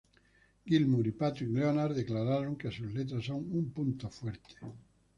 Gilmour y Patrick Leonard declararon que sus letras son un punto fuerte.